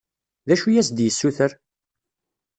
D acu i as-d-yessuter?